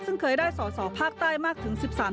ซึ่งเคยได้สอภาคใต้มากถึง๑๐สัปดาห์